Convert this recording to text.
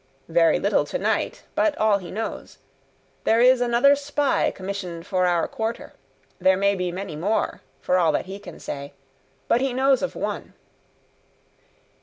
"Very little to night, but all he knows. There is another spy commissioned for our quarter. There may be many more, for all that he can say, but he knows of one."